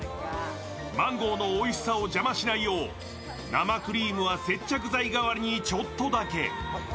マンゴーのおいしさを邪魔しないよう生クリームは接着剤代わりにちょっとだけ。